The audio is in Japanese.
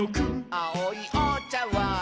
「あおいおちゃわん」